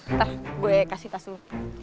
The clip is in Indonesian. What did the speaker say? ntar gue kasih tas dulu